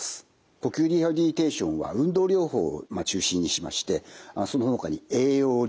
呼吸リハビリテーションは運動療法を中心にしましてそのほかに栄養療法